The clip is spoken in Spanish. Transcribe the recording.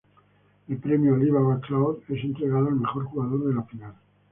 El premio Alibaba Cloud es entregado al mejor jugador de la final.